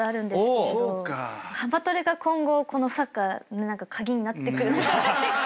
浜トレが今後このサッカー鍵になってくるぐらい。